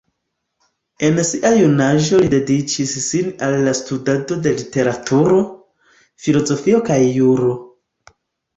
En sia junaĝo li dediĉis sin al la studado de literaturo, filozofio kaj juro.